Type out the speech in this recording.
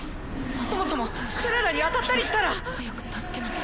そもそもクララに当たったりしたら。早く助けなきゃ。